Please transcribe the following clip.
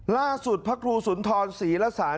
ล่าสุดพระครูสุนทรศรีละศาล